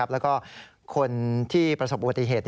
แล้วก็คนที่ประสบอุบัติเหตุ